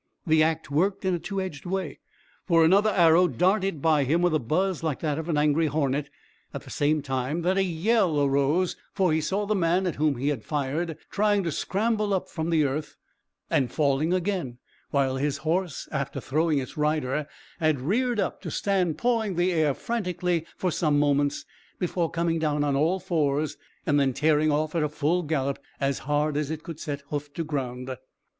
The act worked in a two edged way, for another arrow darted by him with a buzz like that of an angry hornet, at the same time that a yell arose, for he saw the man at whom he had fired trying to scramble up from the earth and falling again, while his horse after throwing its rider had reared up, to stand pawing the air frantically for some moments, before coming down on all fours, and then tearing off at full gallop as hard as it could set hoof to ground.